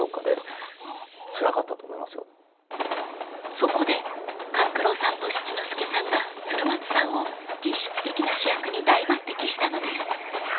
［そこで勘九郎さんと七之助さんが鶴松さんを実質的な主役に大抜てきしたのです］